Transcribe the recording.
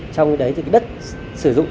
trong cái đấy thì cái đất sử dụng